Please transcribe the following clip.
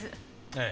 ええ。